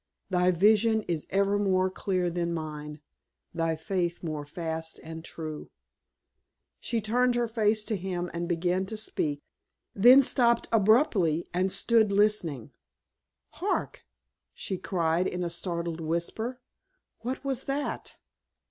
"Thy vision is ever more clear than mine, thy faith more fast and true." She turned her face to him and began to speak, then stopped abruptly and stood listening. "Hark!" she cried in a startled whisper, "what was that?"